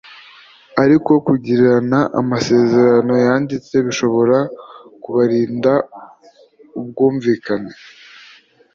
Ariko kugirana amasezerano yanditse bishobora kubarinda ubwumvikane